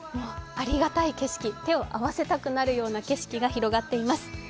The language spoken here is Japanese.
ありがたい景色、手を合わせたくなるような景色が広がっています。